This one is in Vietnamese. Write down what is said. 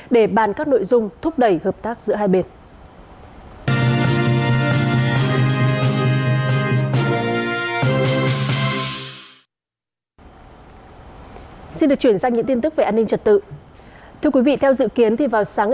để bàn các nội dung thúc đẩy hợp tác giữa hai bên